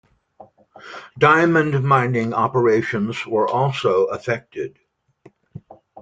Diamond mining operations were also affected.